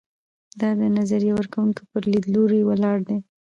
دا د نظریه ورکوونکو پر لیدلورو ولاړ دی.